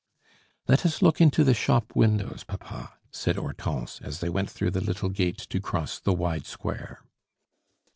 "Let us look into the shop windows, papa," said Hortense, as they went through the little gate to cross the wide square.